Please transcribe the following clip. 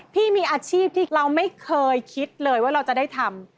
พี่มีอาชีพที่เราไม่เคยคิดเลยว่าเราจะได้ทำ